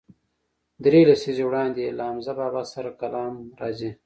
درې لسیزې وړاندې یې له حمزه بابا سره کلام راځي.